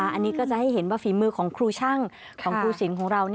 อันนี้ก็จะให้เห็นว่าฝีมือของครูช่างของครูสินของเรา